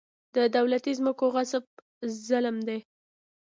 د دولتي ځمکو غصب ظلم دی.